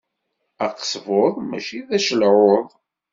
Aqesbuḍ mačči d acelɛuḍ.